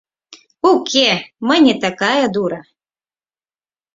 Уке, мый не такая дура!